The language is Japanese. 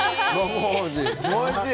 おいしい！